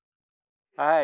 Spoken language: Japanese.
はい。